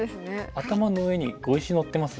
頭の上に碁石のってます？